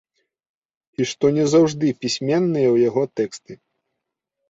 І што не заўжды пісьменныя ў яго тэксты.